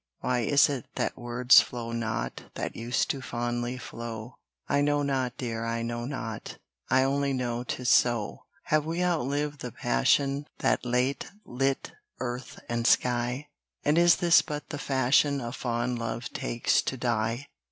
Why is it that words flow not That used to fondly flow? I know not, dear, I know not, I only know 'tis so. Have we outlived the passion That late lit earth and sky? And is this but the fashion A fond love takes to die?